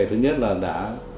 thứ nhất là đã